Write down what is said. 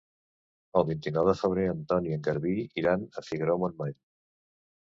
El vint-i-nou de febrer en Ton i en Garbí iran a Figaró-Montmany.